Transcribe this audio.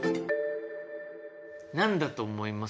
何だと思います？